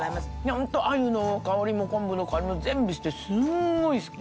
ホント鮎の香りも昆布の香りも全部してすんごい好き。